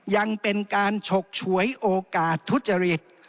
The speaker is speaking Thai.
ยังเป็นการฉกฉวยโอกาสทุจริต